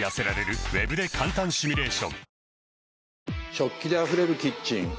食器であふれるキッチン